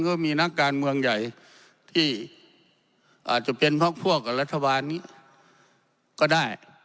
ก็มีนักการเมืองใหญ่ที่อาจจะเป็นเพราะพวกกับรัฐบาลนี้ก็ได้